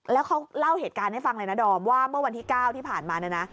แล้วเขาเล่าเหตุการณ์ให้ฟังเลยนะดอมว่าเมื่อวันที่๙ที่ผ่านมาเนี่ยนะ